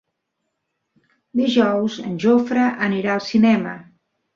Dijous en Jofre anirà al cinema.